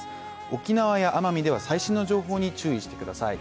沖縄や奄美では最新の情報に注意してください。